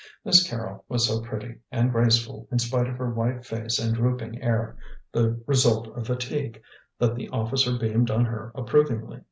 Miss Carrol was so pretty and graceful in spite of her white face and drooping air, the result of fatigue, that the officer beamed on her approvingly.